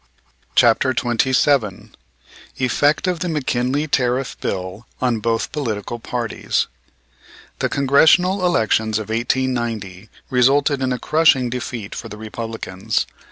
CHAPTER XXVII EFFECT OF THE MCKINLEY TARIFF BILL ON BOTH POLITICAL PARTIES The Congressional elections of 1890 resulted in a crushing defeat for the Republicans.